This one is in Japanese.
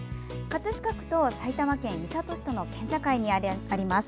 葛飾区と埼玉県三郷市との県境にあります。